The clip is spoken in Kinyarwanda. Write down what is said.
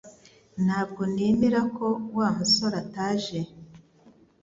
Ntabwo nemera ko Wa musore ataje